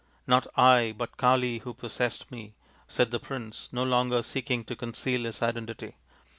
" Not I, but Kali who possessed me," said the prince, no longer seeking to conceal his identity.